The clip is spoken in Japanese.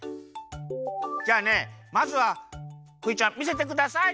じゃあねまずはクイちゃんみせてください。